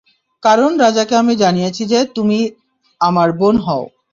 কারণ রাজাকে আমি জানিয়েছি যে, তুমি আমার বোন হও।